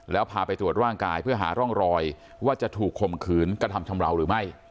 แล้วพาไปตรวจร่างกายเพื่อหาร่องรอยว่าจะถูกข่มขืนกระทำชำราวหรือไม่